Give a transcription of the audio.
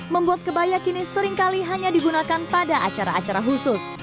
membuat kebaya kini seringkali hanya digunakan pada acara acara khusus